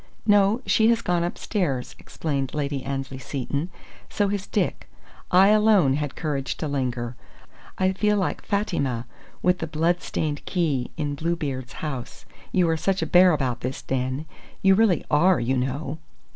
"No, she has gone upstairs," explained Lady Annesley Seton. "So has Dick. I alone had courage to linger! I feel like Fatima with the blood stained key, in Bluebeard's house, you are such a bear about this den you really are, you know!"